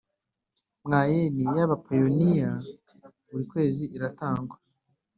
Mwayeni y ‘abapayiniya buri kwezi iratangwa.